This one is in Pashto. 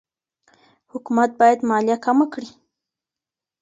حکومت باید مالیه کمه کړي.